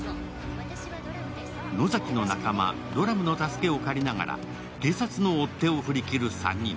野崎の仲間・ドラムの助けを借りながら警察の追っ手を振り切る３人。